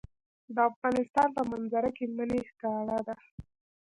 د افغانستان په منظره کې منی ښکاره ده.